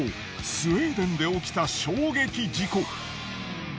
スウェーデンで起きた衝撃事故。